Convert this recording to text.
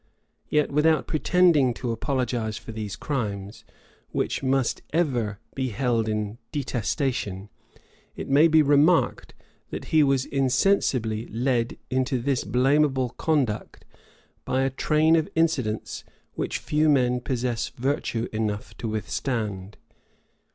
Yet, without pretending to apologize for these crimes, which must ever be held in detestation, it may be remarked, that he was insensibly led into this blamable conduct by a train of incidents which few men possess virtue enough to withstand.